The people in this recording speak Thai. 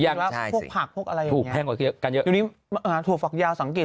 ยังใช่สิถูกแพงกว่ากันเยอะกันเยอะอยู่นี้ถั่วฝักยาวสังเกต